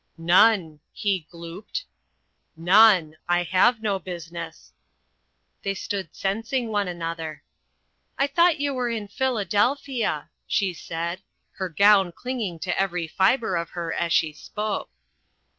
"None," he glooped, "none. I have no business." They stood sensing one another. "I thought you were in Philadelphia," she said her gown clinging to every fibre of her as she spoke.